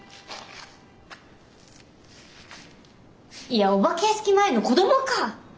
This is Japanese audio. いやお化け屋敷前の子どもか！